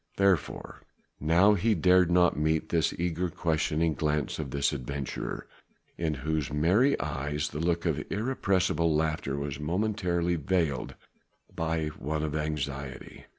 Therefore now he dared not meet the eager, questioning glance of this adventurer, in whose merry eyes the look of irrepressible laughter was momentarily veiled by one of anxiety.